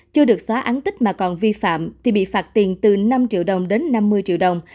chưa được xóa án tích mà còn vi phạm thì bị phạt tiền từ năm triệu đồng đến năm mươi triệu đồng